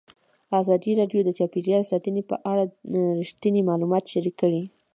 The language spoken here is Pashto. ازادي راډیو د چاپیریال ساتنه په اړه رښتیني معلومات شریک کړي.